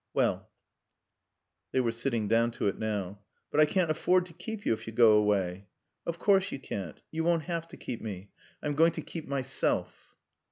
"Well " They were sitting down to it now. "But I can't afford to keep you if you go away." "Of course you can't. You won't have to keep me. I'm going to keep myself."